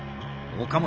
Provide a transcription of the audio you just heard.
岡本